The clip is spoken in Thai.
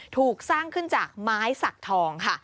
ถูกสร้างขึ้นจากไม้สักทองค่ะ